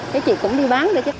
thế chị cũng đi bán rồi chứ